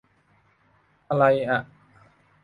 อะไรอ่ะ